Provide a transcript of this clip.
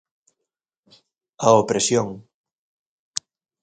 A opresión.